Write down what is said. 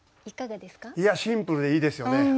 いやシンプルでいいですよね。